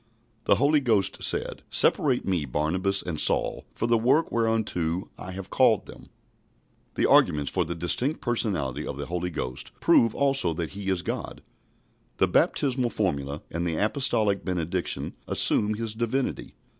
The Holy Ghost said, "Separate me Barnabas and Saul for the work where unto I have called them." The arguments for the distinct personality of the Holy Ghost prove also that He is God. The baptismal formula and the apostolic benediction assume His Divinity.